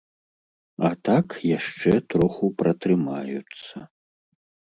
А так яшчэ троху пратрымаюцца.